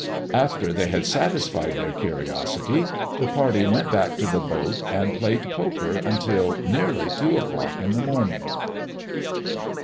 After they had satisfied their curiosity, the party went back to the boat and played poker until nearly two o'clock in the morning.